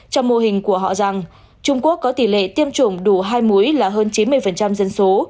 trong mô hình của họ rằng trung quốc có tỷ lệ tiêm chủng đủ hai muối là hơn chín mươi dân số